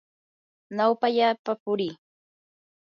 nawpallapa purii.